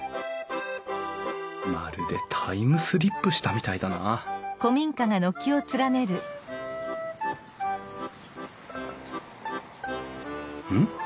まるでタイムスリップしたみたいだなうん？